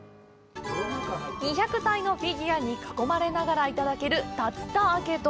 ２００体のフィギュアに囲まれながらいただける竜田揚げ丼。